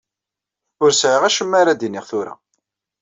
Ur sɛiɣ acemma ara d-iniɣ tura.